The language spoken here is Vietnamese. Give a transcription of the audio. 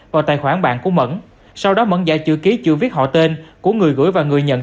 vào tài khoản bạn của mẫn sau đó mẫn giải chữ ký chữ viết họ tên của người gửi và người nhận